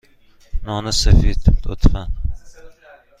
نان سفید، لطفا.